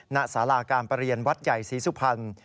ณสาราการประเรียนวัดใหญ่ศรีสุพรรณ